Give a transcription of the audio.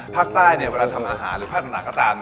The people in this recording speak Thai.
ภาคใต้เนี่ยเวลาทำอาหารหรือภาคตำรักก็ตาม